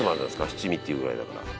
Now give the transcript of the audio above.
七味っていうぐらいだから」